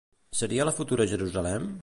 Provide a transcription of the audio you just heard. Seria la futura Jerusalem?